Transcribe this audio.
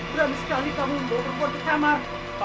berani sekali kamu membawa perempuan ke kamar